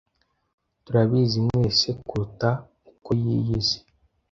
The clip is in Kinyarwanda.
Turabizi mwene se kuruta uko yiyizi.